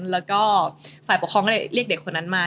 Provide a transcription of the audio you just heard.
แล้วก็ฝ่ายปกครองก็เลยเรียกเด็กคนนั้นมา